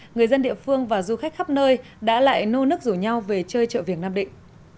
người dân địa phương và du khách khắp nơi đã lại nô nước rủ nhau về chơi chợ việt nam định